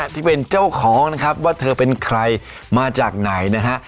ที่เป็นเจ้าของนะครับว่าเธอเป็นใครมาจากไหนนะฮะ